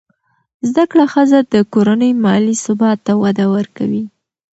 زده کړه ښځه د کورنۍ مالي ثبات ته وده ورکوي.